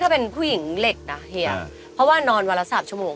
เพราะว่านอนวันรับ๓ชั่วโมง